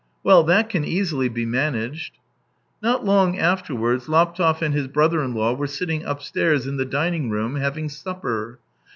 " Well, that can easily be managed." Not long afterwards Laptev and his brother in law were sitting upstairs in the dining room having supper.